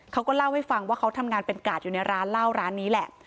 เขาก็เล่าให้ฟังว่าเขาทำงานเป็นกาดอยู่ในร้านเหล้าร้านนี้แหละ